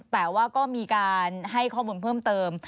แต่ว่าก็มีการให้ข้อมูลเพิ่มเติม